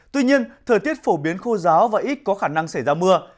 tuy nhiên thời tiết phổ biến khô giáo và ít có khả năng xảy ra mưa